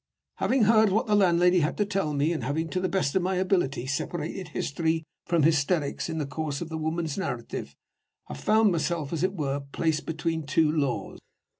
Having heard what the landlady had to tell me, and having, to the best of my ability, separated history from hysterics in the course of the woman's narrative, I found myself, as it were, placed between two laws.